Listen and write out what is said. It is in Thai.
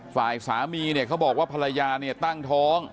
ฝ่ายสามีเขาบอกว่าภรรยาตั้งท้อง